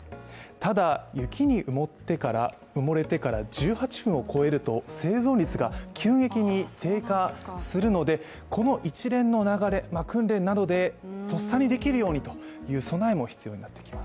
ただ雪に埋もれてから１８分を超えると生存率が急激に低下するのでこの一連の流れ、訓練などでとっさにできるようにという備えも必要になってきます。